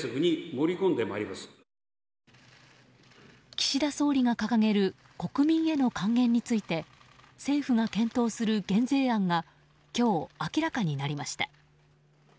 岸田総理が掲げる国民への還元について政府が検討する減税案が今日明らかになりました。